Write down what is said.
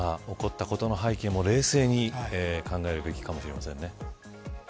起こったことの背景を冷静に考えるべきかもしれませんね。